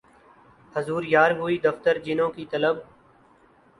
حضور یار ہوئی دفتر جنوں کی طلب